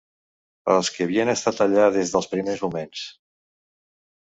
Per als qui havien estat allà des dels primers moments